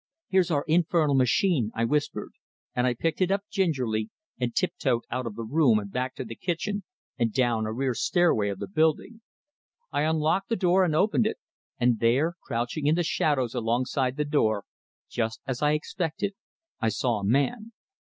"Here's our infernal machine," I whispered, and I picked it up gingerly, and tiptoed out of the room, and back to the kitchen, and down a rear stairway of the building. I unlocked the door and opened it and there, crouching in the shadows alongside the door, just as I expected, I saw a man.